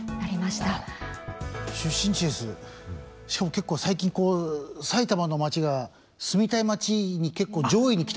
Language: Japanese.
しかも結構最近埼玉の町が住みたい町に結構上位に来たんで。